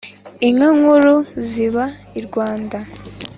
inka nkuru ziba i rwanda